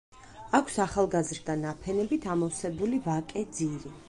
აქვს ახალგაზრდა ნაფენებით ამოვსებული ვაკე ძირი.